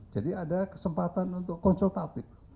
jadi ada kesempatan untuk konsultatif